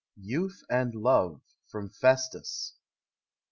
YOUTH AND LOVE. FROM " FESTUS."